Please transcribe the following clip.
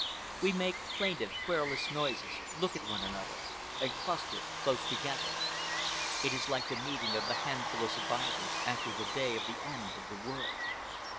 We make plaintive, querulous noises, look at one another, and cluster close together. It is like the meeting of the handful of survivors after the day of the end of the world.